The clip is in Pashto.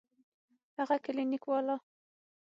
هغه کلينيک والا.